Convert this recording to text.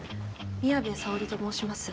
宮部紗央莉と申します。